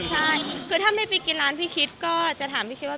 ใช่คือถ้าไม่ไปกินร้านพี่คิดก็จะถามพี่คิดว่า